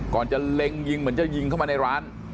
ก่อนจะเล็งยิงเหมือนจะยิงเข้ามาในร้าน